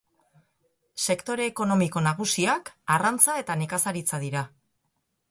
Sektore ekonomiko nagusiak arrantza eta nekazaritza dira.